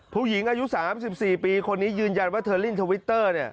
ผู้หญิงอายุ๓๔ปีคนนี้ยืนยันว่าเธอเล่นทวิตเตอร์